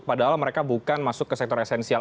padahal mereka bukan masuk ke sektor esensial